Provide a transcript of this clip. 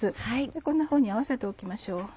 こんなふうに合わせておきましょう。